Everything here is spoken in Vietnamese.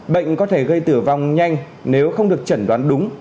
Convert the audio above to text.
bệnh có thể gây tử vong nhanh nếu không được chẩn đoán đúng